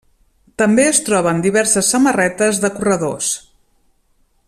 També es troben diverses samarretes de corredors.